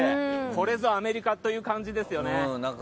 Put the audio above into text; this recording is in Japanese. これぞアメリカという感じですよね。